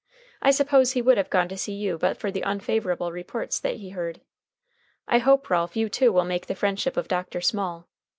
I suppose he would have gone to see you but for the unfavorable reports that he heard. I hope, Ralph, you too will make the friendship of Dr. Small.